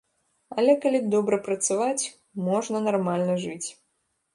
Але калі добра працаваць, можна нармальна жыць.